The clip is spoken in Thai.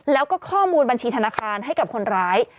แล้วก็ข้อมูลบัญชีธนาคารให้กับคนร้าย